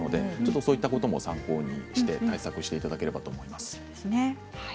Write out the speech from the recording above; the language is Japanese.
そういうことも参考にして対策していただければと思います。